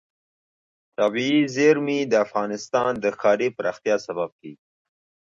طبیعي زیرمې د افغانستان د ښاري پراختیا سبب کېږي.